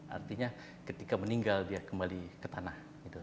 artinya ketika meninggal dia kembali ke tanah